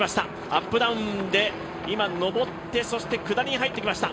アップダウンで上ってそして下りに入ってきました。